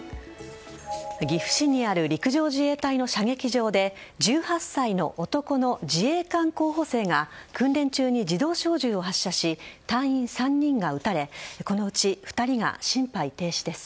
岐阜市にある陸上自衛隊の射撃場で１８歳の男の自衛官候補生が訓練中に自動小銃を発射し隊員３人が撃たれこのうち２人が心肺停止です。